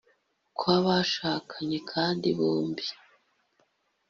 kwa bashakanye kandi bombi